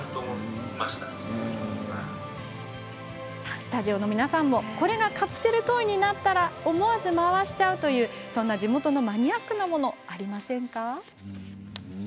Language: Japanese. スタジオの皆さんもこれがカプセルトイになったら思わず回しちゃうそんな地元のマニアックなものありませんか。